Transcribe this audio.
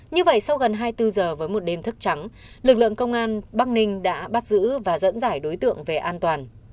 như vậy sau gần hai mươi bốn giờ với một đêm thức trắng lực lượng công an bắc ninh đã bắt giữ và dẫn dải đối tượng về an toàn